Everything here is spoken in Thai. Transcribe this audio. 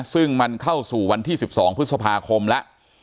ซึ่งมันเข้าสู่วันที่๑๒พฤษภาคมแล้ว